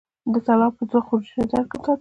د طلا به دوه خورجینه درکړم تاته